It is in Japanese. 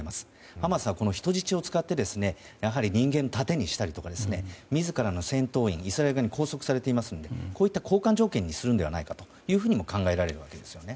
ハマスはこの人質を使って人間を盾にしたり自らの戦闘員、イスラエル軍に拘束されていますので交換状態にするんじゃないかと考えられるんですね。